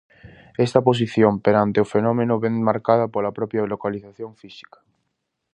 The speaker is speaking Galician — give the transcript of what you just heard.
Esta posición perante o fenómeno vén marcada pola propia localización física.